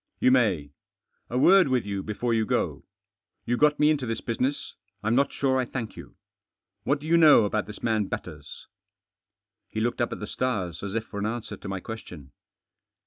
"You may. A word with you before you go. You got me into this business. I'm hot sure I thank you. What do you know about this matt Batters?" He looked up at the stars, as if for att answer to my question.